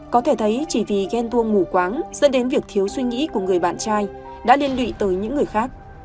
có thể thấy chỉ vì ghen tuông ngủ quáng dẫn đến việc thiếu suy nghĩ của người bạn trai đã liên lụy tới những người khác